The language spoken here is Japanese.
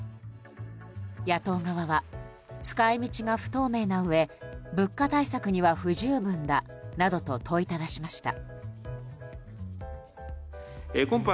野党側は、使い道が不透明なうえ物価対策には不十分だなどと問いただしました。